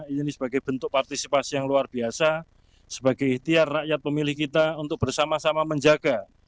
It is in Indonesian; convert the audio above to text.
ini sebagai bentuk partisipasi yang luar biasa sebagai ikhtiar rakyat pemilih kita untuk bersama sama menjaga